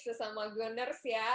sesama gunners ya